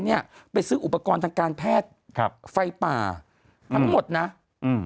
เนี้ยไปซื้ออุปกรณ์ทางการแพทย์ครับไฟป่าทั้งหมดน่ะอืม